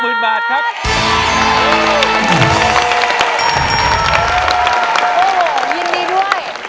โอ้โหยินดีด้วย